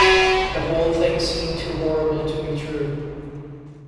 The whole thing seemed too horrible to be true.